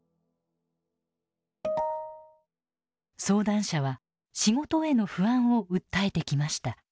相談者は仕事への不安を訴えてきました。